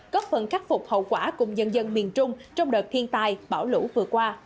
góp phần khắc phục hậu quả cùng dân dân miền trung trong đợt thiên tai bão lũ vừa qua